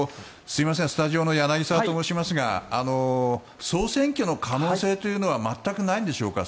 すみませんスタジオの柳澤と申しますが総選挙の可能性というのは全くないんでしょうか？